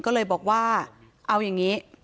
ก็เลยบอกว่าเอาอย่างนี้